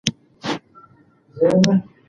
قوم پرستي مه کوئ.